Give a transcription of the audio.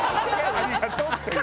「ありがとう」っていう。